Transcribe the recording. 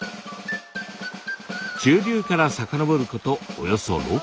中流から遡ることおよそ６キロ。